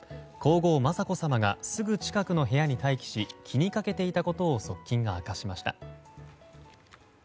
皇后・雅子さまがすぐ近くの部屋に待機し気にかけていたことを側近が明かしました。